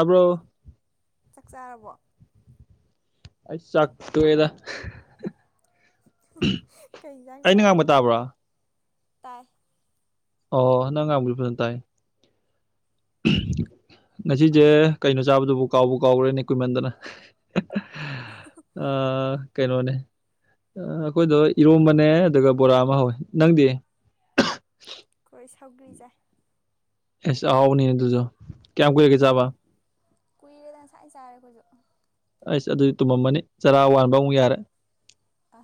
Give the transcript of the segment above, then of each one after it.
bro ꯆꯥꯛ ꯆꯥꯔꯕꯣ ꯑꯩ ꯆꯥꯛ ꯇꯣꯛꯑꯦꯗ ꯀꯩ ꯌꯦꯟꯖꯥꯡ ꯑꯩꯅ ꯆꯥꯔꯒꯦ ꯉꯥꯡꯕ ꯇꯥꯕ꯭ꯔꯥ ꯇꯥꯏ ꯑꯣ ꯅꯪ ꯉꯥꯡꯕꯖꯨ ꯐꯖꯟ ꯇꯥꯏ [unintelligible] ꯉꯁꯤꯁꯦ ꯀꯩꯅꯣ ꯆꯥꯕꯗꯨꯕꯨ ꯀꯥꯎꯕꯨ ꯀꯥꯎꯈ꯭ꯔꯦꯅꯦ ꯀꯨꯏꯃꯟꯗꯅ ꯑ ꯀꯩꯅꯣꯅꯦ ꯑꯩꯈꯣꯏꯗꯣ ꯏꯔꯣꯝꯕꯅꯦ ꯑꯗꯨꯒ ꯕꯣꯔꯥ ꯑꯃ ꯍꯧꯋꯦ ꯅꯪꯗꯤ ꯑꯩꯈꯣꯏ ꯁꯧꯒ꯭ꯔꯤ ꯆꯥꯏ ꯑꯁ ꯑꯍꯥꯎꯕꯅꯤ ꯑꯗꯨꯁꯨ ꯀꯌꯥꯝ ꯀꯨꯏꯔꯒꯦ ꯆꯥꯕ ꯀꯨꯏꯔꯦꯗ ꯉꯁꯥꯏ ꯆꯥꯔꯦ ꯑꯩꯈꯣꯏꯁꯨ ꯑꯩꯁ ꯑꯗꯨꯗꯤ ꯇꯨꯝꯃꯝꯃꯅꯤ ꯆꯥꯔꯥ ꯋꯥꯟꯕ ꯑꯃꯨꯛ ꯌꯥꯔꯦ ꯑ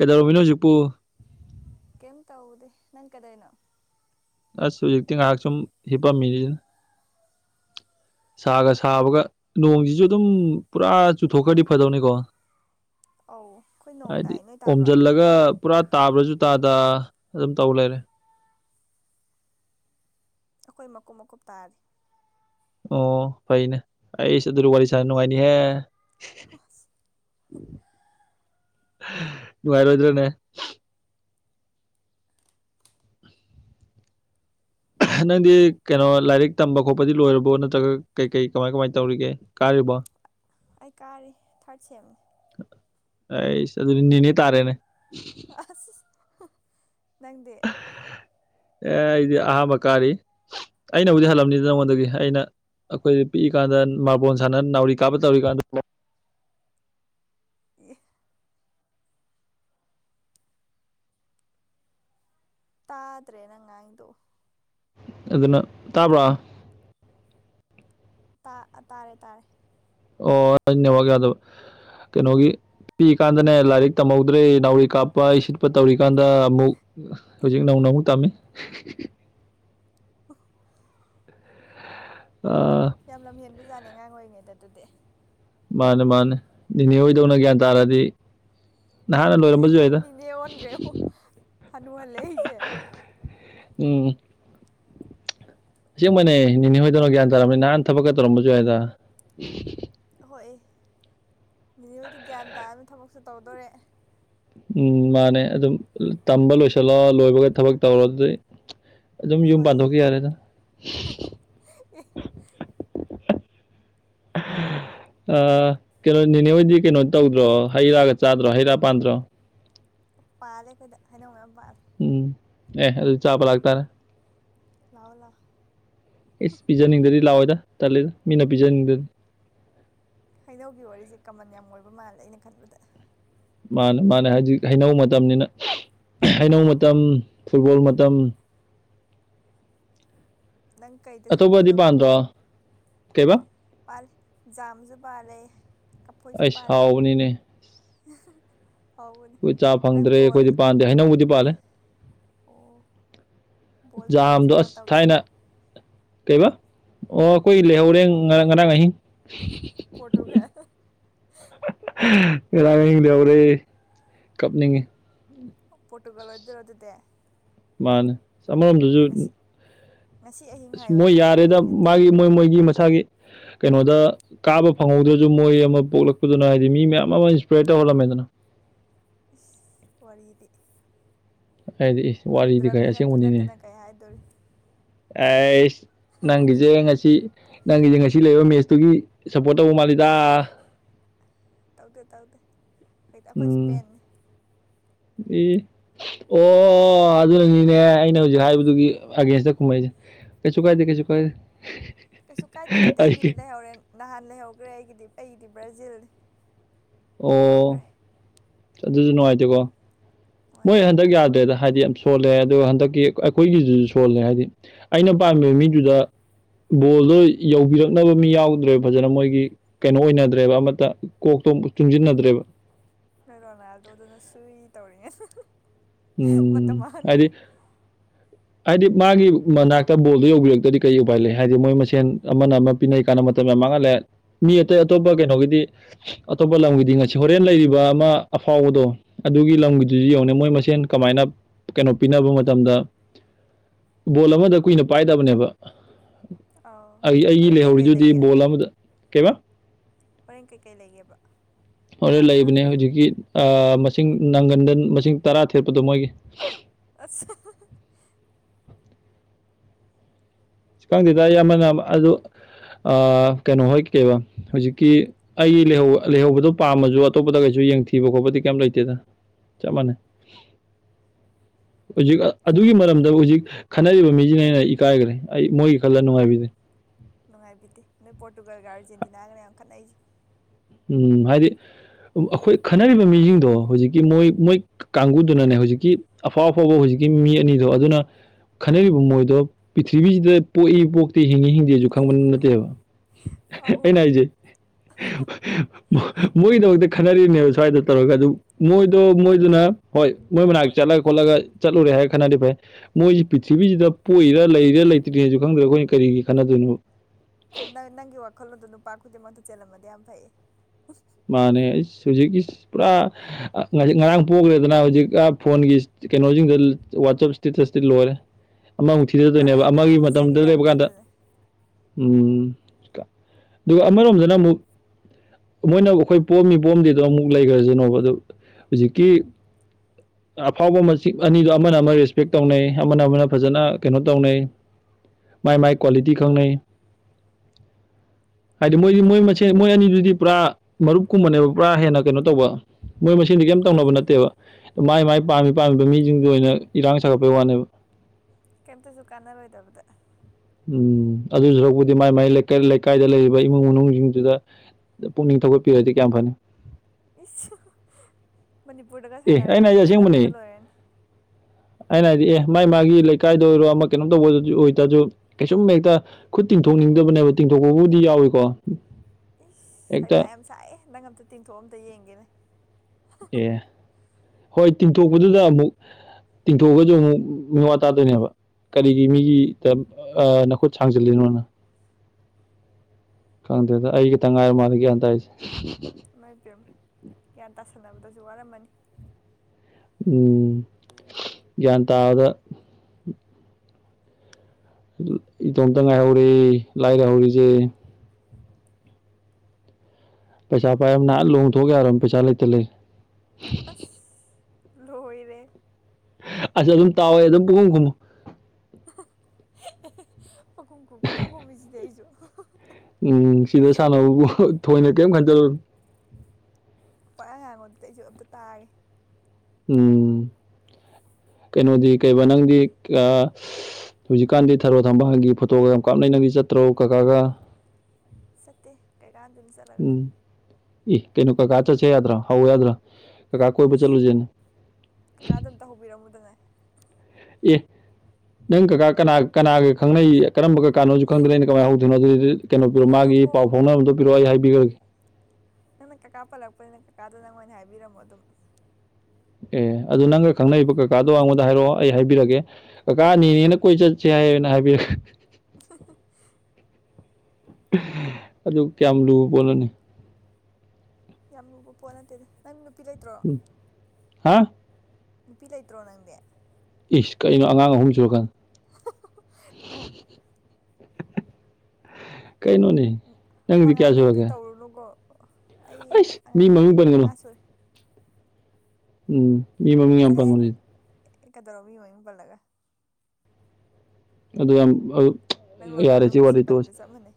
ꯀꯩꯗꯧꯔꯝꯃꯤꯅꯣ ꯍꯧꯖꯤꯛꯄꯨ ꯀꯩꯝ ꯇꯧꯗꯦ ꯅꯪ ꯀꯗꯧꯏꯅꯣ ꯑꯁ ꯍꯧꯖꯤꯛꯇꯤ ꯉꯥꯏꯍꯥꯛ ꯁꯨꯝ ꯍꯤꯞꯄꯝꯃꯤꯅꯤꯗ [inaudible] ꯁꯥꯒ ꯁꯥꯕꯒ ꯅꯣꯡꯁꯤꯁꯨ ꯑꯗꯨꯝ ꯄꯨꯔꯥ ꯆꯨꯊꯣꯛꯈ꯭ꯔꯗꯤ ꯐꯗꯧꯅꯤꯀꯣ ꯑꯧ ꯑꯩꯈꯣꯏ ꯅꯣꯡ ꯍꯥꯏꯗꯤ ꯇꯥꯏ ꯅꯣꯏ ꯇꯥꯕ꯭ꯔꯣ ꯑꯣꯝꯁꯤꯜꯂꯒ ꯄꯨꯔꯥ ꯇꯥꯕ꯭ꯔꯁꯨ ꯇꯥꯗ ꯑꯗꯨꯝ ꯇꯧ ꯂꯩꯔꯦ ꯑꯩꯈꯣꯏ ꯃꯀꯨꯞ ꯃꯀꯨꯞ ꯇꯥꯔꯤ ꯑꯣ ꯐꯩꯅꯦ ꯑꯩꯁꯨ ꯑꯗꯨꯗꯤ ꯋꯥꯔꯤ ꯁꯥꯅ ꯅꯨꯡꯉꯥꯏꯅꯤꯍꯦ ꯍꯁ ꯅꯨꯡꯉꯥꯏꯔꯣꯏꯗ꯭ꯔꯣꯅꯦ ꯅꯪꯗꯤ ꯀꯩꯅꯣ ꯂꯥꯏꯔꯤꯛ ꯇꯝꯕ ꯈꯣꯠꯄꯗꯤ ꯂꯣꯏꯔꯕꯣ ꯅꯠꯇ꯭ꯔꯒ ꯀꯩ ꯀꯩ ꯀꯃꯥꯏ ꯀꯃꯥꯏ ꯇꯧꯔꯤꯒꯦ ꯀꯥꯠ [unintelligible] ꯑꯩ ꯀꯥꯔꯤ ꯊꯥꯔꯠ ꯁꯦꯝ ꯑꯩꯁ ꯑꯗꯨꯗꯤ ꯅꯦꯅꯦ ꯇꯥꯔꯦꯅꯦ ꯑꯁ ꯍ ꯅꯪꯗꯤ ꯑꯦ ꯑꯩꯗꯤ ꯑꯍꯥꯟꯕ ꯀꯥꯔꯤ ꯑꯣ ꯑꯩꯅꯕꯨꯗꯤ ꯍꯜꯂꯝꯅꯤꯗ ꯅꯉꯣꯟꯗꯒꯤ ꯍ ꯑꯩꯅ ꯑꯩꯈꯣꯏ ꯄꯤꯛꯏꯀꯥꯟꯗ ꯃꯥꯔꯕꯣꯜ ꯁꯥꯟꯅ ꯅꯥꯎꯔꯤ ꯀꯥꯞꯕ ꯇꯧꯔꯤꯀꯥꯟꯗ ꯃꯣ [inaudible] ꯇꯥꯗ꯭ꯔꯦ ꯅꯪ ꯉꯥꯡꯏꯗꯣ ꯑꯗꯨꯅ ꯇꯥꯕ꯭ꯔꯥ ꯇꯥ ꯇꯥꯔꯦ ꯇꯥꯔꯦ ꯑꯣ ꯑꯩ ꯅꯦꯋꯥꯛ ꯌꯥꯗꯕ ꯀꯩꯅꯣꯒꯤ ꯄꯤꯛꯏꯀꯥꯟꯗꯅꯦ ꯂꯥꯏꯔꯤꯛ ꯇꯝꯍꯧꯗ꯭ꯔꯦ ꯅꯥꯎꯔꯤ ꯀꯥꯞꯄ ꯏꯁꯤꯠꯄ ꯇꯧꯔꯤꯀꯥꯟꯗ ꯑꯃꯨꯛ ꯍꯧꯖꯤꯛ ꯅꯧ ꯅꯧꯅ ꯇꯝꯃꯤ [inaudible] [unintelligible] ꯌꯥꯝ ꯂꯝꯍꯦꯟꯕꯖꯥꯠꯅꯦ ꯑꯉꯥꯡ ꯑꯣꯏꯔꯤꯉꯩꯗ ꯑꯗꯨꯗꯤ ꯃꯥꯅꯦ ꯃꯥꯅꯦ ꯅꯤꯅꯦ ꯍꯣꯏꯗꯧꯅ ꯒ꯭ꯌꯥꯟ ꯇꯔꯥꯗꯤ ꯑꯦꯍ ꯅꯤꯅꯦ ꯑꯣꯟꯒ꯭ꯔꯦ ꯍꯣ ꯍꯅꯨꯍꯜꯂꯦ ꯑꯩꯁꯦ ꯎꯝ ꯑꯁꯦꯡꯕꯅꯦ ꯅꯤꯅꯦ ꯍꯣꯏꯗꯧꯅ ꯒ꯭ꯌꯥꯟ ꯇꯥꯔꯝꯗꯤ ꯅꯍꯥꯟ ꯊꯕꯛꯀ ꯇꯧꯔꯝꯕꯁꯨ ꯌꯥꯏꯗ ꯍꯣꯏ ꯑꯦ ꯅꯤꯅꯦ ꯍꯣꯏꯗꯤ ꯒ꯭ꯌꯥꯟ ꯇꯥꯝꯅ ꯊꯕꯛꯁꯨ ꯇꯧꯗꯣꯔꯦ ꯎꯝ ꯃꯥꯅꯦ ꯑꯗꯨꯝ ꯇꯝꯕ ꯂꯣꯏꯁꯤꯜꯂꯣ ꯂꯣꯏꯕꯒ ꯊꯕꯛ ꯇꯧꯔꯣ ꯑꯗꯨꯗꯤ ꯑꯗꯨꯝ ꯌꯨꯝ ꯍꯣꯏ ꯄꯥꯟꯊꯣꯛꯀꯤ ꯌꯥꯔꯦꯗ [inaudible] ꯑꯥ ꯀꯩꯅꯣ ꯅꯦꯅꯦ ꯍꯣꯏꯗꯤ ꯀꯩꯅꯣ ꯇꯧꯗ꯭ꯔꯣ ꯍꯩꯔꯥꯒ ꯆꯥꯗ꯭ꯔꯣ ꯍꯩꯔꯥ ꯄꯥꯟꯗ꯭ꯔꯣ ꯄꯥꯂꯦ ꯈꯣꯏꯗ ꯍꯩꯅꯧ ꯃꯌꯝ ꯎꯝ ꯑꯦ ꯑꯗꯨ ꯆꯥꯕ ꯂꯥꯛꯇꯥꯔꯦ ꯂꯥꯎ ꯂꯥꯎ ꯏꯁ ꯄꯤꯖꯥꯅꯤꯡꯗꯗꯤ ꯂꯥꯛꯑꯣꯏꯗ ꯇꯜꯂꯤꯗ ꯃꯤꯅ ꯄꯤꯖꯥꯅꯤꯡꯗꯗꯤ ꯍꯩꯅꯧꯒꯤ ꯋꯥꯔꯤꯁꯦ ꯀꯃꯟ ꯌꯥꯝ ꯑꯣꯏꯕ ꯃꯥꯜꯂꯦ ꯑꯩꯅ ꯈꯟꯕꯗ ꯃꯥꯅꯦ ꯃꯥꯅꯦ ꯍꯧꯖꯤꯛ ꯍꯩꯅꯧ ꯃꯇꯝꯅꯤꯅ ꯍꯩꯅꯧ ꯃꯇꯝ ꯐꯨꯠꯕꯣꯜ ꯃꯇꯝ ꯅꯪ ꯀꯩꯗ ꯁꯞꯄꯣꯔꯠ ꯑꯇꯣꯞꯄꯗꯤ ꯇꯧꯒꯦ ꯄꯥꯟꯗ꯭ꯔꯣ ꯕꯣꯜ ꯀꯩꯕ ꯄꯜꯂꯦ ꯖꯥꯝꯁꯨ ꯄꯥꯂꯦ ꯑꯩꯁ ꯍꯥꯎꯕꯅꯤꯅꯦ ꯍꯧꯕꯅꯦ ꯑꯩꯈꯣꯏ ꯆꯥ ꯅꯪ ꯐꯪꯗ꯭ꯔꯦ ꯕꯣꯜ ꯑꯩꯈꯣꯏꯗꯤ ꯄꯥꯟꯗꯦ ꯍꯩꯅꯧꯕꯨꯗꯤ ꯄꯥꯜꯂꯦ ꯑꯣ ꯕꯣꯜꯗꯣ ꯀꯩꯗ ꯖꯥꯝꯗꯣ ꯁꯞꯄꯣꯔꯠ ꯑꯁ ꯇꯧꯒꯦ ꯊꯥꯏꯅ ꯍꯥꯏꯕ ꯀꯩꯕꯥ ꯑꯣ ꯑꯩꯈꯣꯏ ꯕꯣꯜꯗꯣ ꯂꯩꯍꯧꯔꯦ ꯉꯔꯥ ꯉꯔꯥꯡ ꯑꯍꯤꯡ ꯍꯤꯍꯤ ꯄꯣꯔꯇꯨꯒꯜ ꯉꯔꯥꯡ ꯑꯍꯤꯡ ꯂꯩꯍꯧꯔꯦ ꯀꯞꯅꯤꯡꯉꯦ ꯏꯁ ꯄꯔꯣꯇꯨꯒꯜ ꯑꯣꯏꯗꯨꯔ ꯑꯗꯨꯗꯤ ꯃꯥꯅꯦ ꯑꯁ ꯑꯃꯔꯣꯝꯗꯨꯖꯨ ꯎꯝ ꯉꯁꯤ ꯉꯁꯤ ꯑꯍꯤꯡ ꯑꯁ ꯍꯥꯏꯌꯣ ꯃꯣꯏ ꯑꯗꯨꯗꯤ ꯉꯔꯥꯡ ꯌꯥꯔꯦꯗ ꯑꯍꯤꯡ ꯅꯠꯇꯦ ꯃꯥꯒꯤ ꯃꯣꯏ ꯃꯣꯏꯒꯤ ꯃꯁꯥꯒꯤ ꯀꯩꯅꯣꯗ ꯀꯥꯕ ꯐꯪꯍꯧꯗ꯭ꯔꯁꯨ ꯃꯣꯏ ꯑꯃ ꯄꯣꯛꯂꯛꯄꯗꯨꯅ ꯍꯥꯏꯗꯤ ꯃꯤ ꯃꯌꯥꯝ ꯑꯃ ꯏꯟꯁꯄꯤꯌꯔ ꯇꯧ ꯔꯝꯃꯦꯗꯅ ꯏꯁ ꯋꯥꯔꯤꯗꯤ ꯍꯥꯏꯗꯤ ꯏꯁ ꯋꯥꯔꯤꯗꯤ ꯀꯩ ꯉꯝꯗ꯭ꯔꯕꯅꯤꯅ ꯑꯗꯨ ꯑꯁꯦꯡꯕꯅꯤꯅꯦ ꯅꯠꯇꯅ ꯀꯩ ꯍꯥꯏꯗꯧꯔꯤ ꯑꯩꯁ ꯅꯪꯒꯤꯖꯦ ꯉꯁꯤ ꯅꯪꯒꯤꯖꯦ ꯉꯁꯤ ꯂꯩꯕ ꯃꯦꯠꯁ ꯇꯨꯒꯤ ꯁꯞꯄꯣꯔꯠ ꯇꯧꯕ ꯃꯥꯜꯂꯤꯗ ꯇꯧꯗꯦ ꯇꯧꯗꯦ ꯑꯩꯈꯣꯏ ꯎꯝ ꯏꯁꯄꯦꯟꯅꯤ ꯏ ꯑꯣ ꯑꯗꯨꯅꯅꯤꯅꯦ ꯑꯩꯅ ꯍꯧꯖꯤꯛ ꯍꯥꯏꯕꯗꯨꯒꯤ ꯑꯦꯒꯦꯟꯁꯇ ꯈꯨꯝꯃꯛꯏꯁꯦ ꯀꯩꯁꯨ ꯀꯥꯏꯗꯦ ꯀꯩꯁꯨꯨ ꯀꯥꯏꯗꯦ ꯀꯩꯁꯨ ꯀꯥꯏꯗꯦ ꯅꯠꯇꯦ ꯑꯩꯒꯤꯗꯤ ꯑꯩꯒꯤ ꯂꯩꯍꯧꯔꯦ ꯅꯍꯥꯟ ꯂꯩꯍꯧꯈ꯭ꯔꯦ ꯑꯩꯒꯤꯗꯤ ꯑꯩꯒꯤꯗꯤ ꯕ꯭ꯔꯥꯖꯤꯜꯅꯤ ꯂꯩꯍꯧꯈ꯭ꯔꯦ ꯑꯣ ꯑꯗꯨꯁꯨ ꯅꯨꯡꯉꯥꯏꯇꯦꯀꯣ ꯃꯣꯏ ꯅꯨꯡꯉꯥꯏꯇꯦ ꯍꯟꯗꯛ ꯌꯥꯗ꯭ꯔꯦꯗ ꯍꯥꯏꯗꯤ ꯌꯥꯝ ꯁꯣꯜꯂꯦ ꯑꯗꯨꯒ ꯍꯟꯗꯛꯀꯤ ꯑꯩꯈꯣꯏꯒꯤꯗꯨꯁꯨ ꯁꯣꯜꯂꯦ ꯍꯥꯏꯗꯤ ꯑꯩꯅ ꯄꯥꯝꯃꯤꯕ ꯃꯤꯗꯨꯗ ꯕꯣꯜꯗꯣ ꯌꯧꯕꯤꯔꯛꯅꯕ ꯃꯤ ꯌꯥꯎꯗ꯭ꯔꯦꯕ ꯐꯖꯅ ꯃꯣꯏꯒꯤ ꯀꯩꯅꯣ ꯑꯣꯏꯅꯗ꯭ꯔꯦꯕ ꯑꯃꯠꯇ ꯀꯣꯛ ꯇꯣ ꯆꯨꯡꯖꯤꯟꯅꯗ꯭ꯔꯦꯕ ꯅꯣꯏ ꯔꯣꯅꯥꯜꯗꯣꯅ ꯁꯨꯏ ꯇꯧꯔꯤꯉꯩꯗ ꯃꯇꯝ ꯎꯝ ꯍꯥꯏꯗꯤ ꯃꯥꯡꯍꯟꯕꯅꯦ ꯍꯥꯏꯗꯤ ꯃꯥꯒꯤ ꯃꯅꯥꯛꯇ ꯕꯣꯜꯗꯣ ꯌꯧꯕꯤꯔꯛꯇ꯭ꯔꯗꯤ ꯀꯔꯤ ꯎꯄꯥꯏ ꯂꯩ ꯍꯥꯏꯗꯤ ꯃꯣꯏ ꯃꯁꯦꯟ ꯑꯃꯅ ꯑꯃ ꯄꯤꯅꯩ ꯀꯥꯟ ꯃꯇꯝ ꯌꯥꯝ ꯃꯥꯡꯍꯜꯂꯦ ꯃꯤ ꯑꯇꯩ ꯑꯇꯣꯞꯄ ꯀꯩꯅꯣꯒꯤꯗꯤ ꯑꯇꯣꯞꯄ ꯂꯝꯒꯤꯗꯤ ꯉꯁꯤ ꯍꯣꯔꯦꯟ ꯂꯩꯔꯤꯕ ꯑꯃ ꯑꯐꯥꯎꯕꯗꯣ ꯑꯗꯨꯒꯤ ꯂꯝꯒꯤꯗꯨꯁꯨ ꯌꯦꯡꯎꯅꯦ ꯃꯣꯏ ꯃꯁꯦꯟ ꯀꯃꯥꯏꯅ ꯀꯩꯅꯣ ꯄꯤꯅꯕ ꯃꯇꯝꯗ ꯕꯣꯜ ꯑꯃꯗ ꯀꯨꯏꯅ ꯄꯥꯏꯗꯕꯅꯦꯕ ꯑꯧ ꯑꯩ ꯑꯩꯒꯤ ꯍꯣꯔꯦꯟ ꯀꯩꯀꯩ ꯂꯩꯍꯧꯔꯤꯗꯨꯗꯤ ꯂꯩꯒꯦ ꯕꯣꯜ ꯑꯃꯗ ꯀꯩꯕꯥ ꯍꯣꯔꯦꯟ ꯀꯩꯀꯩ ꯂꯩꯒꯦꯕ ꯀꯅꯥ ꯍꯣꯔꯦꯟ ꯀꯅꯥ ꯂꯩꯕꯅꯦ ꯂꯩꯒꯦ ꯍꯣꯔꯦꯟ ꯍꯧꯖꯤꯛꯀꯤ ꯑꯥ ꯃꯁꯤꯡ ꯅꯪꯒꯟꯗ ꯃꯁꯤꯡ ꯇꯔꯥ ꯊꯦꯠꯄꯗꯣ ꯃꯣꯏꯒꯤ ꯑꯁ ꯍꯥꯍꯥ ꯈꯪꯗꯦꯗ ꯑꯩ ꯑꯃꯅ ꯑꯗꯨ ꯑꯥ ꯀꯩꯅꯣ ꯍꯣꯏ ꯀꯩꯕ ꯍꯧꯖꯤꯛꯀꯤ ꯑꯩ ꯂꯩꯍꯧ ꯂꯩꯍꯧꯕꯗꯣ ꯄꯥꯝꯃꯁꯨ ꯑꯇꯣꯞꯄꯗ ꯀꯩꯁꯨ ꯌꯦꯡꯊꯤꯕ ꯈꯣꯠꯄꯗꯤ ꯀꯩꯝ ꯂꯩꯇꯦꯗ ꯆꯞ ꯃꯥꯟꯅꯩ [inaudible] ꯍꯧꯖꯤꯛ ꯆꯞ ꯑꯗꯨꯒꯤ ꯃꯥꯟꯅꯕ꯭ꯔꯥ ꯃꯔꯝꯗ ꯍꯧꯖꯤꯛ ꯈꯠꯅꯔꯤꯕ ꯃꯤꯁꯤꯅ ꯍꯦꯟꯅ ꯏꯀꯥꯏꯒ꯭ꯔꯦ ꯑꯩ ꯃꯣꯏ ꯈꯜꯂ ꯑꯧ ꯅꯨꯡꯉꯥꯏꯕꯤꯗꯦ ꯅꯨꯡꯉꯥꯏꯕꯤꯗꯦ ꯅꯣꯏ ꯄꯣꯔꯇꯨꯒꯜꯒ ꯑꯥꯔꯖꯦꯟꯇꯤꯅꯥꯒꯅꯦ ꯌꯥꯝ ꯈꯠꯅꯩꯁꯦ ꯎꯝ ꯍꯥꯏꯗꯤ ꯑꯩꯈꯣꯏ ꯈꯠꯅꯔꯤꯕ ꯃꯤꯖꯤꯡꯗꯣ ꯍꯧꯖꯤꯛꯀꯤ ꯃꯣꯏ ꯃꯣꯏ ꯀꯥꯡꯕꯨꯗꯨꯅꯅꯦ ꯍꯧꯖꯤꯛꯀꯤ ꯑꯐꯥꯎ ꯑꯐꯥꯎꯕ ꯍꯧꯖꯤꯛ ꯒꯤ ꯃꯤ ꯑꯅꯤꯗꯣ ꯑꯗꯨꯅ ꯈꯠꯅꯔꯤꯕ ꯃꯣꯏꯗꯣ ꯄ꯭ꯔꯤꯊꯤꯕꯤꯁꯤꯗ ꯄꯣꯛꯏ ꯄꯣꯛꯇꯦ ꯍꯤꯡꯉꯤ ꯍꯤꯡꯗꯦꯁꯨ ꯈꯪꯕ ꯅꯠꯇꯦꯕ ꯑꯧ ꯑꯩꯅ ꯍꯥꯏꯖꯦ ꯃꯣꯏꯒꯤꯗꯃꯛꯇ ꯈꯠꯅꯔꯤꯅꯦꯕ ꯁ꯭ꯋꯥꯏꯗ ꯇꯧꯔꯒ ꯑꯗꯨ ꯃꯣꯏꯗꯣ ꯃꯣꯏꯗꯨꯅ ꯍꯣꯏ ꯃꯣꯏ ꯃꯅꯥꯛ ꯍꯣꯏ ꯆꯠꯂ ꯈꯣꯠꯂꯒ ꯆꯠꯂꯨꯔꯦ ꯍꯥꯏꯔ ꯈꯠꯅꯔꯗꯤ ꯐꯩ ꯃꯣꯏꯁꯤ ꯄ꯭ꯔꯤꯊꯤꯕꯤꯁꯤꯗ ꯄꯣꯛꯏꯔ ꯂꯩꯔꯤꯔ ꯂꯩꯇ꯭ꯔꯤꯔ ꯁꯨ ꯈꯪꯗ꯭ꯔꯦ ꯑꯩꯈꯣꯏꯅ ꯀꯔꯤꯒꯤ ꯈꯠꯅꯗꯣꯏꯅꯣ [unintelligible] ꯑ ꯅꯪ ꯅꯪꯒꯤ ꯋꯥꯈꯜꯂꯣꯜꯗꯣ ꯅꯨꯄꯥ ꯈꯨꯗꯤꯡ ꯃꯛꯇ ꯆꯦꯜꯂꯝꯃꯗꯤ ꯌꯥꯝ ꯐꯩ ꯃꯥꯅꯦ ꯢꯁ ꯍꯧꯖꯤꯛ ꯏꯁ ꯄꯨꯔꯥ ꯉꯔꯥꯡ ꯄꯣꯒ꯭ꯔꯦꯗꯅ ꯍꯧꯖꯤꯛ ꯑ ꯐꯣꯟꯒꯤ ꯀꯩꯅꯣꯁꯤꯡꯗ ꯋꯥꯆꯞ ꯏꯁꯇꯦꯇꯁꯇꯤ ꯂꯣꯏꯔꯦ ꯑꯃꯃꯨꯛ ꯄꯨꯔꯥ ꯊꯤꯗꯗꯣꯏꯅꯦꯕ ꯑꯉꯥꯡ ꯑꯃꯒꯤ ꯑꯉꯥꯡ ꯃꯆꯥꯒꯤ ꯃꯇꯝꯗꯨꯗ ꯂꯩꯕ ꯇꯥꯏꯞꯇ ꯀꯥꯟꯗ ꯑꯗꯨꯅꯦ ꯎꯝ ꯑꯗꯨꯒ ꯑꯃꯔꯣꯝꯗꯅ ꯑꯃꯨꯛ ꯃꯣꯏꯅ ꯑꯩꯈꯣꯏ ꯄꯣꯛꯑꯝꯃꯤ ꯄꯣꯛꯑꯝꯗꯗꯣ ꯑꯃꯨꯛ ꯂꯩꯒ꯭ꯔꯖꯅꯣꯕ ꯑꯗꯨ ꯍꯧꯖꯤꯛꯀꯤ ꯑꯐꯥꯎꯕ ꯃꯆꯤꯛ ꯑꯅꯤꯗꯣ ꯑꯃꯅ ꯑꯃ ꯔꯦꯁꯄꯦꯛ ꯇꯧꯅꯩ ꯑꯃꯅ ꯑꯃꯅ ꯐꯖꯅ ꯀꯩꯅꯣ ꯇꯧꯅꯩ ꯃꯥꯏ ꯃꯥꯏ ꯀ꯭ꯋꯥꯂꯤꯇꯤ ꯈꯪꯅꯩ ꯍꯥꯏꯗꯤ ꯃꯣꯏꯗꯤ ꯃꯣꯏ ꯃꯁꯦꯟ ꯃꯣꯏ ꯑꯅꯤꯗꯨꯗꯤ ꯄꯨꯔꯥ ꯃꯔꯨꯞ ꯀꯨꯝꯕꯅꯦꯕ ꯄꯨꯔꯥ ꯍꯦꯟꯅ ꯀꯩꯅꯣ ꯇꯧꯕ ꯃꯣꯏ ꯃꯁꯦꯟꯗꯤ ꯀꯩꯝ ꯍꯣꯏ ꯇꯧꯅꯕ ꯅꯠꯇꯦꯕ ꯃꯥꯏ ꯃꯥꯏ ꯄꯥꯝꯃꯤ ꯄꯥꯝꯃꯤꯕ ꯃꯤꯁꯤꯡꯗꯨ ꯑꯣꯏꯅ ꯏꯔꯥꯡ ꯁꯥꯒꯠꯄꯩ ꯋꯥꯅꯦꯕ ꯀꯩꯝꯇꯁꯨ ꯀꯥꯟꯅꯔꯣꯏꯗꯕꯗ ꯎꯝ ꯑꯗꯨꯁꯨꯔꯛꯄꯨꯗꯤ ꯃꯥꯏ ꯃꯥꯏ ꯂꯩꯀꯥꯏ ꯂꯩꯀꯥꯏꯗ ꯂꯩꯔꯤꯕ ꯏꯃꯨꯡ ꯃꯅꯨꯡꯁꯤꯡꯗꯨꯗ ꯄꯨꯛꯅꯤꯡ ꯊꯧꯒꯠ ꯄꯤꯔꯗꯤ ꯀꯌꯥꯝ ꯐꯅꯤ ꯏꯁꯁꯨ ꯃꯅꯤꯄꯨꯔꯗꯒ ꯑꯦ ꯁꯥꯟꯅꯔꯗꯤ ꯑꯩꯅ ꯃꯤ ꯍꯥꯏꯗꯤ ꯑꯁꯦꯡꯕꯅꯦ ꯐꯨꯅꯕꯗ ꯂꯣꯏꯔꯅꯤ ꯑꯩꯅ ꯍꯥꯏꯗꯤ ꯑꯦ ꯃꯥꯏ ꯃꯥꯒꯤ ꯂꯩꯀꯥꯏꯗ ꯑꯣꯏꯔꯣ ꯑꯃ ꯀꯩꯅꯣ ꯇꯧꯕ ꯑꯣꯏꯇꯥꯔꯁꯨ ꯀꯩꯁꯨꯝ ꯍꯦꯛꯇ ꯈꯨꯠ ꯇꯤꯡꯊꯣꯛꯅꯤꯡꯗꯕꯅꯦꯕ ꯇꯤꯡꯊꯣꯛꯄꯕꯨꯗꯤ ꯌꯥꯎꯏꯀꯣ ꯏꯁ ꯍꯦꯛꯇ ꯍꯩꯄꯥ ꯌꯥꯝ ꯁꯥꯛꯑꯦ ꯅꯪ ꯑꯝꯇ ꯇꯤꯡꯊꯣꯛꯑꯣ ꯑꯝꯇ ꯌꯦꯡꯒꯦꯅꯦ ꯑꯦ ꯍꯣꯏ ꯇꯤꯡꯊꯣꯛꯄꯗꯨꯗ ꯑꯃꯨꯛ ꯇꯤꯡꯊꯣꯛꯑꯒꯁꯨ ꯑꯃꯨꯛ ꯃꯤꯋꯥ ꯇꯥꯗꯣꯏꯅꯦꯕ ꯀꯔꯤꯒꯤ ꯃꯤꯒꯤꯗ ꯑꯥ ꯅꯈꯨꯠ ꯁꯥꯡꯖꯤꯜꯂꯤꯅꯣꯅ ꯀꯥꯟꯅꯗꯦꯗ ꯑꯩ ꯈꯤꯇ ꯉꯥꯏꯔ ꯃꯥꯜꯂꯦ ꯒ꯭ꯌꯥꯟ ꯇꯥꯏꯁꯦ ꯏꯃꯥꯏ ꯄꯦꯝꯃ ꯒ꯭ꯌꯥꯟ ꯇꯥꯥꯁꯟꯅꯕꯗꯁꯨ ꯋꯥꯔꯝꯃꯅꯤ ꯎꯝ ꯒ꯭ꯌꯥꯟ ꯇꯥꯕꯗ ꯏꯇꯣꯝꯇ ꯉꯥꯏꯍꯧꯔꯦ ꯂꯥꯏꯔꯍꯧꯔꯤꯁꯦ ꯄꯩꯁꯥ ꯄꯥꯏꯔꯕ ꯅꯍꯥꯟ ꯂꯨꯣꯡꯊꯣꯛ ꯌꯥꯔꯝ ꯄꯩꯁꯥ ꯂꯩꯇ ꯂꯩꯔꯦ ꯑꯁ ꯂꯣꯏꯔꯦ ꯑꯁ ꯑꯗꯨꯝ ꯇꯥꯎꯋꯦ ꯑꯗꯨꯝ ꯄꯨꯈꯨꯝ ꯈꯨꯝꯃꯨ ꯄꯪꯈꯨꯝ ꯈꯨꯝ ꯄꯪꯈꯨꯝ ꯈꯨꯝꯃꯤꯁꯤꯗꯤ ꯑꯩꯁꯨ ꯎꯝ ꯁꯤꯗ ꯁꯥꯟꯅꯕꯕꯨ ꯊꯣꯏꯅ ꯀꯔꯤꯝ ꯈꯟꯖꯜꯂꯨ ꯄꯪꯉꯥꯡ ꯉꯥꯡꯉꯣ ꯗꯨꯗꯤ ꯑꯩꯁꯨ ꯑꯝꯇ ꯇꯥꯒꯦ ꯎꯝ [inaudible] ꯀꯩꯅꯣꯗꯤ ꯀꯩꯕ ꯅꯪꯗꯤ ꯑ ꯍꯧꯖꯤꯛꯀꯥꯟꯗꯤ ꯊꯔꯣ ꯊꯝꯕꯥꯟꯒꯤ ꯐꯣꯇꯣꯒ ꯌꯥꯝ ꯀꯥꯞꯅꯩ ꯅꯪꯗꯤ ꯆꯠ ꯇ꯭ꯔꯣ ꯀꯀꯥꯒ ꯆꯠꯇꯦ ꯀꯩꯀꯥꯟꯗꯣꯢꯅꯣ ꯆꯠꯂꯒ ꯎꯝ ꯏ ꯀꯩꯅꯣ ꯀꯀꯥ ꯆꯠꯁꯦ ꯌꯥꯗ꯭ꯔ ꯍꯧ ꯌꯥꯗ꯭ꯔꯣ ꯀꯀꯥ ꯀꯣꯏꯕ ꯏꯁ ꯆꯠꯂꯨꯖꯦꯅ ꯀꯀꯥꯗ ꯑꯝꯇ ꯍꯧꯕꯤꯔꯝꯃꯨꯗꯅ ꯑꯦ ꯅꯪ ꯀꯀꯥ ꯀꯅꯥ ꯀꯅꯥꯒ ꯈꯪꯅꯩ ꯀꯔꯝꯕ ꯀꯀꯥꯅꯣꯁꯨ ꯈꯪꯗꯅ ꯑꯩꯅ ꯀꯃꯥꯏꯅ ꯍꯧꯗꯣꯏꯅꯣ ꯑꯗꯨꯗꯤ ꯀꯩꯅꯣ ꯄꯤꯔꯣ ꯃꯥꯒꯤ ꯍꯧꯔꯝꯃꯣ ꯄꯥꯎ ꯐꯥꯎꯅꯕꯗꯣ ꯄꯤꯔꯛꯑꯣ ꯑꯩ ꯍꯥꯏ ꯕꯤꯒ꯭ꯔꯒꯦ ꯅꯪꯅ ꯀꯀꯥ ꯄꯜꯂꯛꯄꯅꯤ ꯅꯪ ꯀꯀꯥꯗꯣ ꯅꯪꯅ ꯍꯥꯏꯕꯤꯔꯝꯃꯣ ꯑꯗꯨꯝ ꯑꯦ ꯑꯗꯨ ꯅꯪꯒ ꯈꯪꯅꯔꯤꯕ ꯀꯀꯥꯗꯣ ꯑꯩꯉꯣꯟꯗ ꯍꯥꯏꯔꯛꯑꯣ ꯑꯩ ꯍꯥꯏꯕꯤꯔꯒꯦ ꯀꯀꯥ ꯅꯤꯅꯦꯅ ꯀꯣꯏ ꯆꯠꯁꯦ ꯍꯥꯢꯅ ꯍꯥꯢꯕꯤ ꯑꯍꯍ ꯑꯗꯨ ꯀꯌꯥꯝ ꯂꯨꯕꯄꯣꯠꯅꯣꯅꯦ ꯌꯥꯝ ꯂꯨꯕ ꯄꯣꯠ ꯅꯠꯇꯦꯗ ꯅꯪ ꯅꯨꯄꯤ ꯂꯩꯇ꯭ꯔꯣ ꯎꯝ ꯍꯥ ꯅꯨꯄꯤ ꯂꯩꯇ꯭ꯔꯣ ꯅꯪꯗꯤ ꯏꯁ ꯀꯩꯅꯣ ꯑꯉꯥꯡ ꯑꯍꯨꯝ ꯁꯨꯔꯀꯥꯟ ꯍꯍ ꯑꯣ ꯀꯩꯅꯣꯅꯦ ꯅꯪꯗꯤ ꯃꯉꯥꯜꯗꯧꯗꯤ ꯀꯌꯥꯁꯨꯔꯒꯦ ꯇꯧꯔꯨꯅꯨꯀꯣ ꯑꯩ ꯑꯩꯁ ꯃꯤ ꯑꯉꯥꯡ ꯃꯉꯥ ꯃꯃꯤꯡ ꯄꯟꯒꯅꯣ ꯃꯉꯥ ꯁꯨꯔꯦ ꯎꯝ ꯃꯤ ꯃꯃꯤꯡ ꯌꯥꯝ ꯆꯠꯂꯍꯦ ꯄꯟꯒꯅꯣ ꯁꯤ ꯀꯩꯗꯧꯔꯕ ꯃꯤ ꯃꯃꯤꯡ ꯄꯜꯂꯒ ꯑꯗꯨ ꯌꯥꯝ ꯑ ꯅꯪ ꯔꯣꯅꯥꯜꯗꯣ ꯃꯦꯁꯤ ꯄꯅꯕ ꯆꯞ ꯃꯥꯟꯅꯩ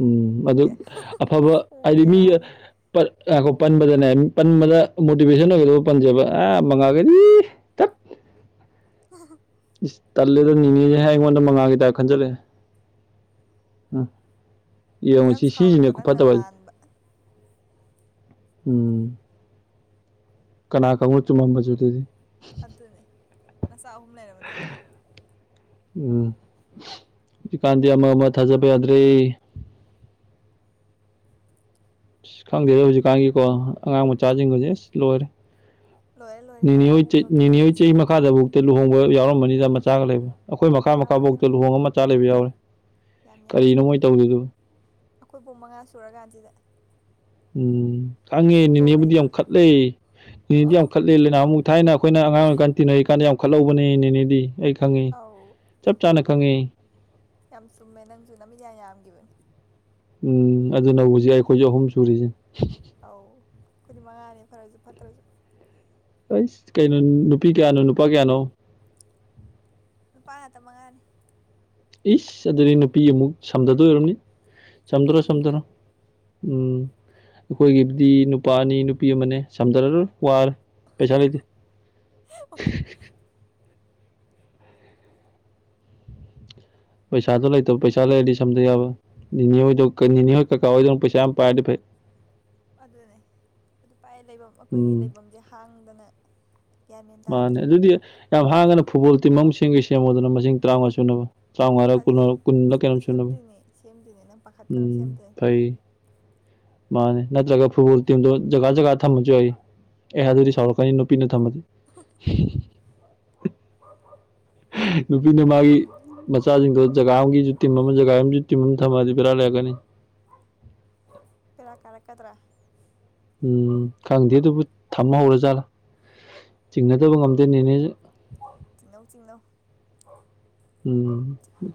ꯎꯝ ꯑꯗꯨ ꯑꯦ ꯑꯐꯕ ꯎ ꯍꯥꯏꯗꯤ ꯃꯤꯒ ꯕꯦꯔꯥꯅꯤ ꯄꯟ ꯉꯥꯢꯈꯣ ꯄꯟꯕꯗ ꯅꯦ ꯄꯟꯕꯗ ꯃꯣꯇꯤꯚꯦꯁꯟ ꯑꯣꯏꯒꯗ ꯄꯟꯖꯕ ꯑ ꯃꯉꯥꯜꯒꯗꯤ ꯏꯏ ꯇꯠ [unintelligible] ꯏꯁ ꯇꯜꯂꯦꯗ ꯅꯤꯅꯦꯖꯦ ꯍꯥꯏ ꯑꯩꯉꯣꯟꯗ ꯃꯉꯥꯜꯒꯤ ꯇꯥꯏꯞ ꯈꯟꯖꯜꯂꯦ ꯑꯥ ꯑꯗꯨꯛꯌꯥꯝ ꯁꯥꯎꯔꯤꯗꯣ ꯅꯪꯅ ꯃꯥꯟꯕ ꯎꯝ ꯀꯅꯥ ꯈꯪꯕꯣ ꯆꯨꯝꯃꯝꯕꯖꯨ ꯑꯗꯨꯗꯤ ꯑꯗꯨꯅꯦ ꯅꯆꯥ ꯑꯍꯨꯝ ꯂꯩꯔꯕ ꯅꯪꯅ ꯎꯝ ꯍꯧꯖꯤꯛꯀꯥꯟꯗꯤ ꯑꯃꯃ ꯊꯥꯖꯕ ꯌꯥꯗ꯭ꯔꯦ [inaudible] ꯑꯁ ꯈꯪꯗꯦꯗ ꯍꯧꯖꯤꯛꯀꯥꯟꯒꯤꯀꯣ ꯑꯉꯥꯡ ꯃꯆꯥꯖꯤꯡꯒꯖꯦ ꯑꯁ ꯂꯣꯏꯔꯦ ꯂꯣꯏꯔꯦ ꯂꯣꯏꯔꯦ ꯅꯦꯅꯦ ꯑꯉꯥꯡ ꯍꯣꯏ ꯑꯍꯨꯝꯗꯣ ꯑꯝꯇ ꯅꯦꯅꯦ ꯍꯣꯏ ꯐꯖꯅ ꯆꯍꯤ ꯁꯦꯟꯅꯕꯤꯌꯨ ꯃꯈꯥꯗꯕꯣꯛꯇ ꯂꯨꯍꯣꯡꯕ ꯌꯥꯎꯔꯝꯃꯅꯤꯗ ꯃꯆꯥꯒ ꯂꯩꯕ ꯑꯩꯈꯣꯏ ꯃꯈꯥ ꯌꯥꯎꯔꯦ ꯌꯥꯎꯔꯦ ꯃꯈꯥꯕꯣꯛꯇ ꯂꯨꯍꯣꯡꯉꯥ ꯃꯆꯥ ꯂꯩꯕ ꯌꯥꯎꯔꯦ ꯌꯥꯝ ꯌꯥꯎꯔꯦ ꯀꯔꯤꯅꯣ ꯃꯣꯏ ꯇꯧꯔꯤꯗꯨꯕꯨ ꯑꯈꯣꯏꯐꯣꯛ ꯃꯉꯥ ꯁꯨꯔꯀꯥꯟꯁꯤꯗ ꯎꯝ ꯈꯪꯉꯦ ꯏꯁꯨꯐꯧ ꯅꯦꯅꯦꯕꯨꯗꯤ ꯌꯥꯝ ꯂꯩꯗꯧꯔꯦ ꯈꯠꯂꯦ ꯅꯦꯅꯦꯗꯤ ꯌꯥꯝ ꯑꯧ ꯈꯠꯂꯦ ꯂꯩꯅꯥꯍꯨ ꯊꯥꯏꯅ ꯑꯈꯣꯏꯅ ꯑꯉꯥꯡ ꯑꯣꯏꯔꯤꯀꯥꯟ ꯇꯤꯟꯅꯔꯤꯀꯥꯟꯗ ꯌꯥꯝ ꯈꯠꯍꯧꯕꯅꯦ ꯅꯦꯅꯦꯗꯤ ꯑꯩ ꯈꯪꯉꯦ ꯑꯧ ꯆꯞ ꯆꯥꯅ ꯈꯪꯉꯦ ꯌꯥꯝ ꯆꯨꯝꯃꯦ ꯅꯪꯖꯨ ꯅꯃꯤꯠ ꯌꯥꯝ ꯌꯥꯝꯒꯤꯕꯅꯦ ꯎꯝ ꯑꯗꯨꯅ ꯍꯧꯖꯤꯛ ꯑꯩꯈꯣꯏꯖꯨ ꯑꯍꯨꯝ ꯁꯨꯔꯤꯖꯤꯅꯤ ꯑꯧ ꯑꯩꯈꯣꯏꯗꯤ ꯃꯉꯥꯅꯤ ꯐꯔꯖꯨ ꯐꯠꯇ꯭ꯔꯖꯨ ꯑꯩꯁ ꯀꯩꯅꯣ ꯅꯨꯄꯤ ꯀꯌꯥꯅꯣ ꯅꯨꯄꯥ ꯀꯌꯥꯅꯣ ꯅꯨꯨꯄꯥ ꯉꯥꯛꯇ ꯃꯉꯥꯅꯤ ꯏꯁ ꯑꯗꯨꯗꯤ ꯅꯨꯄꯤ ꯑꯃꯨꯛ ꯁꯝꯗꯗꯣꯏ ꯑꯣꯏꯔꯝꯅꯤ ꯁꯝꯗꯔꯣ ꯁꯝꯖꯗꯣꯏꯅꯤ ꯁꯝꯗꯔꯣ ꯀꯩꯅꯣ ꯎꯝ ꯑꯩꯈꯣꯏꯒꯤꯕꯨꯗꯤ ꯅꯨꯄꯥ ꯑꯅꯤ ꯅꯨꯄꯤ ꯑꯃꯅꯦ ꯁꯝꯗꯔꯔꯣꯏ ꯋꯥꯔꯦ ꯄꯩꯁꯥ ꯂꯩꯇꯦ ꯍꯤꯍꯤꯍꯤ ꯄꯩꯁꯥꯗꯣ ꯂꯩꯇꯕ ꯄꯩꯁꯥ ꯂꯩꯔꯗꯤ ꯁꯝꯗ ꯌꯥꯕ ꯅꯤꯅꯦ ꯍꯣꯏꯗꯧ ꯅꯤꯅꯦ ꯍꯣꯏ ꯀꯀꯥ ꯍꯣꯏꯗꯧꯅ ꯄꯩꯁꯥ ꯌꯥꯝ ꯄꯥꯏꯔꯗꯤ ꯐꯩ ꯑꯗꯨꯅꯦ ꯑꯗꯨ ꯄꯥꯏ ꯂꯩꯕꯝ ꯑꯈꯣꯏꯒꯤ ꯎꯝ ꯂꯩꯕꯝꯖꯦ ꯍꯥꯡꯗꯅ ꯒ꯭ꯌꯥꯟ ꯃꯦꯟ ꯃꯥꯅꯦ ꯇꯥꯗ꯭ꯔꯦ ꯑꯗꯨꯗꯤ ꯌꯥꯝ ꯍꯥꯡꯉꯥꯒꯅ ꯐꯨꯠꯕꯣꯜ ꯇꯤꯝ ꯑꯃ ꯁꯦꯝꯒꯦ ꯁꯦꯝꯃꯣꯗꯅ ꯃꯁꯤꯡ ꯇꯔꯥꯃꯉꯥ ꯁꯨꯅꯕ ꯇ꯭ꯔꯥꯎꯉꯥꯔꯥ ꯀꯨꯟꯂꯥ ꯈꯜꯂꯤꯅꯦ ꯀꯨꯟꯂꯥ ꯀꯌꯥꯅꯣꯝ ꯁꯨꯅꯕ ꯁꯦꯝꯗꯣꯏꯅꯦ ꯁꯦꯝꯗꯣꯏꯅꯦ ꯅꯪ ꯄꯥꯈꯠꯀꯅꯣ ꯎꯝ ꯁꯦꯝꯗꯣꯏꯅꯦ ꯐꯩ [inaudible] ꯃꯥꯅꯦ ꯅꯠꯇ꯭ꯔꯒ ꯐꯨꯠꯕꯣꯜ ꯇꯤꯝꯗꯣ ꯖꯒꯥ ꯖꯒꯥ ꯊꯝꯃꯖꯨ ꯌꯥꯏꯌꯦ ꯑꯦ ꯑꯧ ꯑꯗꯨꯗꯤ ꯁꯥꯎꯔꯛꯀꯅꯤ ꯅꯨꯄꯤꯅ ꯊꯝꯃꯗꯤ [inaudible] ꯅꯨꯄꯤꯅ ꯃꯥꯒꯤ ꯃꯆꯥꯖꯤꯡꯗꯣ ꯖꯒꯥ ꯑꯃꯒꯤꯖꯨ ꯇꯤꯝ ꯑꯃ ꯖꯒꯥ ꯑꯃꯒꯤꯖꯨ ꯇꯤꯝ ꯑꯃ ꯊꯝꯃꯗꯤ ꯕꯦꯔꯥ ꯂꯩꯔꯛꯀꯅꯤ ꯕꯦꯔꯥ ꯀꯥꯔꯛꯀꯗ꯭ꯔꯥ ꯎꯝ ꯈꯪꯗꯦ ꯑꯗꯨꯕꯨ ꯊꯝ ꯍꯧꯔꯖꯥꯠꯂꯥ ꯆꯤꯡꯅꯗꯕ ꯉꯝꯗꯦ ꯅꯦꯅꯦꯖꯤ ꯆꯤꯡꯅꯧ ꯆꯤꯡꯅꯧ ꯎꯝ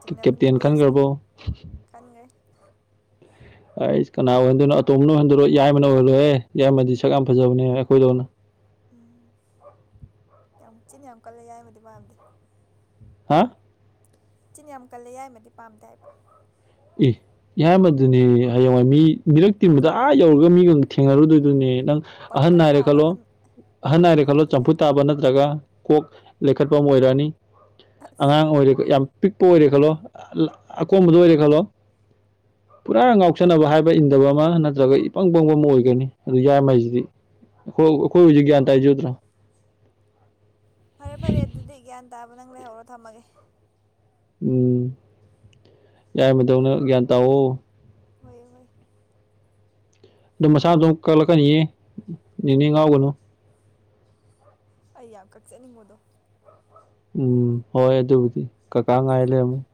ꯆꯤꯡꯅꯕꯅ ꯀꯦꯞꯇꯦꯟ ꯕꯦꯁꯅꯤ ꯈꯟꯒꯔꯕꯣ ꯈꯟꯈ꯭ꯔꯦ ꯑꯩꯁ ꯀꯅꯥ ꯑꯣꯏꯍꯟꯗꯣꯏꯅꯣ ꯑꯇꯣꯝꯕꯅ ꯑꯣꯏꯍꯟꯗꯣꯏꯔꯣ ꯌꯥꯏꯃꯅ ꯑꯣꯏꯍꯜꯂꯣꯍꯦ ꯌꯥꯏꯃꯗꯤ ꯁꯛ ꯌꯥꯝ ꯐꯖꯕꯅꯦ ꯑꯈꯣꯏꯗꯧꯅ ꯎꯝ ꯌꯥꯝ ꯆꯤꯟ ꯌꯥꯝ ꯀꯜꯂꯦ ꯌꯥꯏꯃꯗꯤ ꯃꯥꯟꯗꯦ ꯍꯥ ꯆꯤꯟ ꯌꯥꯝ ꯀꯜꯂꯦ ꯌꯥꯏꯃꯗꯤ ꯄꯥꯝꯗꯦ ꯍꯥꯏꯕ ꯏ ꯌꯥꯏꯃꯗꯨꯅꯦ ꯍꯌꯦꯡꯋꯥꯏ ꯃꯤ ꯃꯤꯔꯛ ꯇꯤꯟꯕꯗ ꯑꯥ ꯌꯧꯔꯒ ꯃꯤꯒ ꯊꯦꯡꯅꯔꯨꯗꯣꯏꯗꯨꯅꯦ ꯎꯝ ꯅꯪ ꯑꯍꯟ ꯄꯪꯇꯛ ꯍꯥꯏꯔꯦ ꯇꯥꯕ ꯈꯜꯂꯣ ꯑꯍꯟ ꯑꯍꯟ ꯑꯪ ꯍꯥꯏꯔꯦ ꯈꯜꯂꯣ ꯑꯍꯟꯗꯨꯅ ꯆꯝꯐꯨꯠ ꯍꯦꯟꯅ ꯐꯔꯦ ꯇꯥꯕ ꯅꯠꯇ꯭ꯔꯒ ꯀꯣꯛ ꯂꯩꯈꯠꯄꯃ ꯑꯣꯏꯔꯛꯑꯅꯤ ꯑꯁ ꯑꯉꯥꯡ ꯑꯣꯏꯔꯦ ꯌꯥꯝ ꯄꯤꯛꯄ ꯑꯣꯏꯔꯦ ꯈꯜꯂꯣ ꯑꯀꯣꯟꯕꯗꯣ ꯑꯣꯏꯔꯦ ꯈꯜꯂꯣ [inaudible] ꯄꯨꯔꯥ ꯉꯥꯎꯁꯟꯅꯕ ꯍꯥꯏꯕ ꯏꯟꯗꯕ ꯑꯃ ꯅꯠꯇ꯭ꯔꯒ ꯏꯄꯪ ꯄꯪꯕ ꯑꯃ ꯑꯣꯏꯒꯅꯤ ꯑꯗꯨ ꯌꯥꯏꯃꯖꯤꯗꯤ ꯑꯈꯣ ꯑꯈꯣꯏ ꯍꯧꯖꯤꯛ ꯒꯌꯥꯟ ꯇꯥꯏꯖꯤ ꯎꯗ꯭ꯔꯣ ꯐꯔꯦ ꯐꯔꯦ ꯑꯗꯨꯗꯤ ꯒ꯭ꯌꯥꯟ ꯇꯥꯕ ꯅꯪ ꯂꯩꯍꯧꯔꯣ ꯊꯝꯃꯒꯦ ꯎꯝ ꯌꯥꯏꯃ ꯗꯧꯅ ꯒ꯭ꯌꯥꯟ ꯇꯥꯑꯣ ꯍꯣꯏ ꯍꯣꯏ ꯑꯗꯨꯝ ꯃꯁꯥꯅ ꯃꯗꯣꯝ ꯀꯛꯂꯛꯀꯅꯤꯑꯦ ꯅꯤꯅꯦ ꯉꯥꯎꯒꯅꯨ ꯑꯩ ꯌꯥꯝ ꯀꯛꯆꯅꯤꯡꯕꯗꯣ ꯎꯝ ꯍꯣꯏ ꯑꯗꯨ ꯑꯗꯨꯕꯨꯗꯤ ꯀꯀꯥ ꯉꯥꯏꯂꯩꯔꯃꯅꯤ